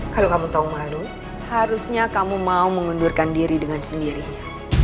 kalau kamu tahu malu harusnya kamu mau mengundurkan diri dengan sendirinya